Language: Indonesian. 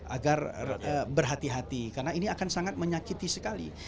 agar berhati hati karena ini akan sangat menyakiti sekali